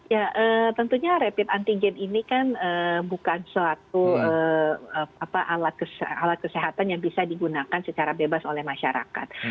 ya tentunya rapid antigen ini kan bukan suatu alat kesehatan yang bisa digunakan secara bebas oleh masyarakat